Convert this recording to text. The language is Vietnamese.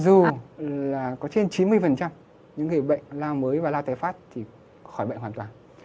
và có trên chín mươi những người bệnh lao mới và lao thái phát thì khỏi bệnh hoàn toàn